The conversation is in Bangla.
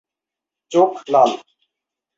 চোখ লাল।